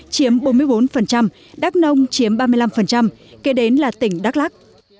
chiếm bốn mươi bốn đắk nông chiếm ba mươi năm kế đến là tỉnh đắk lắc